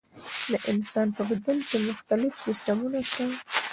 د انسان په بدن کې مختلف سیستمونه شته.